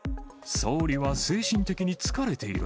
総理は精神的に疲れている。